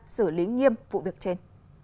xử lý nghiêm vụ việc trên